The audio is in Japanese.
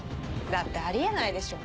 だってあり得ないでしょ。